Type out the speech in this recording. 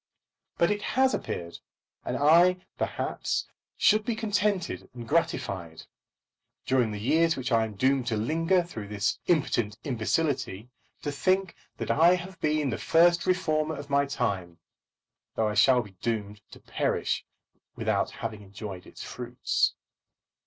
But it has appeared; and I perhaps should be contented and gratified, during the years which I am doomed to linger through impotent imbecility, to think that I have been the first reformer of my time, though I shall be doomed to perish without having enjoyed its fruits.